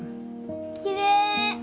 きれい。